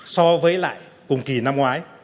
so với lại cùng kỳ năm ngoái